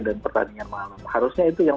dan pertandingan malam harusnya itu yang